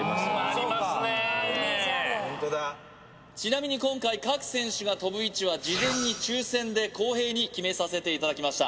ああイメージあるちなみに今回各選手が跳ぶ位置は事前に抽選で公平に決めさせていただきました